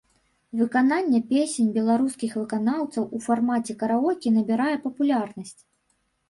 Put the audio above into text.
Выкананне песень беларускіх выканаўцаў у фармаце караоке набірае папулярнасць.